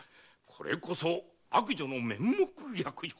これこそ悪女の面目躍如！